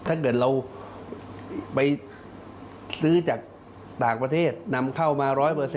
ถ้าเกิดเราไปซื้อจากต่างประเทศนำเข้ามา๑๐๐